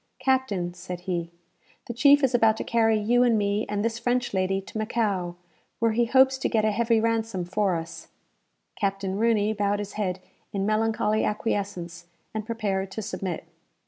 "Captain," said he, "the chief is about to carry you and me, and this French lady, to Macao, where he hopes to get a heavy ransom for us." Captain Rooney bowed his head in melancholy acquiescence, and prepared to submit.